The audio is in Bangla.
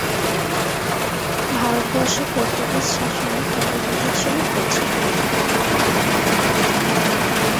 ভারতবর্ষে পর্তুগীজ শাসনের কেন্দ্র বিন্দু ছিল কোচি।